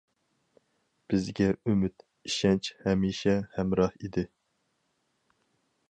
بىزگە ئۈمىد، ئىشەنچ ھەمىشە ھەمراھ ئىدى.